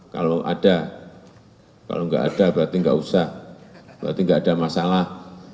kalau ada kalau enggak ada berarti enggak usah berarti enggak ada masalah